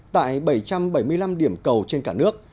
tại bảy trăm bảy mươi năm điểm cầu trên cả nước